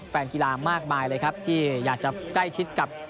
แฟนกีฬามากมายเลยครับที่อยากจะใกล้ชิดกับ